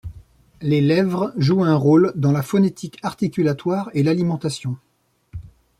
Les lèvres jouent un rôle dans la phonétique articulatoire et l'alimentation.